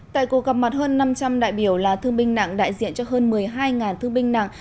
tại cuộc gặp mặt hơn năm trăm linh đại biểu là thương binh nặng đại diện cho hơn một mươi hai thương binh nặng